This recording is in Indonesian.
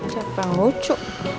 siapa yang lucu